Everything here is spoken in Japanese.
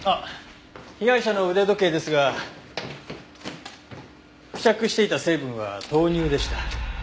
被害者の腕時計ですが付着していた成分は豆乳でした。